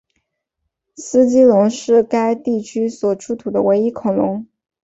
斯基龙是该地区所出土的唯一恐龙。